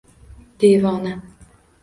Devona.